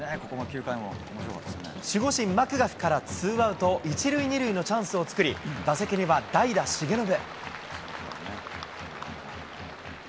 守護神、マクガフからツーアウト１塁２塁のチャンスを作り、打席には代打、重信。